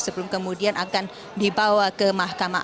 sebelum kemudian akan dibawa ke mahkamahan